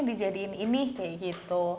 dijadiin ini kayak gitu